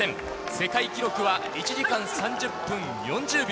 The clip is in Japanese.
世界記録は１時間３０分４０秒。